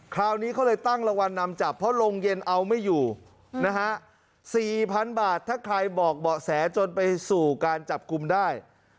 คราวนี้เขาเลยตั้งรางวัลนำจับเพราะโรงเย็นเอาไม่อยู่นะฮะ๔๐๐๐บาทถ้าใครบอกเบาะแสจนไปสู่การจับกลุ่มได้